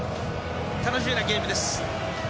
楽しみなゲームです。